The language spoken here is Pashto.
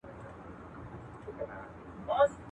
کله چي نارينه د ښځي څخه